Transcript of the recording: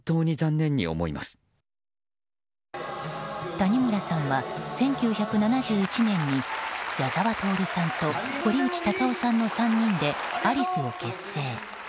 谷村さんは１９７１年に矢沢透さんと堀内孝雄さんの３人でアリスを結成。